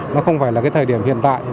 nó không phải là cái thời điểm hiện tại